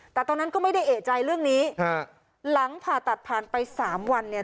แต่ตอนนั้นก็ไม่ได้เอกใจเรื่องนี้ฮะหลังผ่าตัดผ่านไปสามวันเนี่ย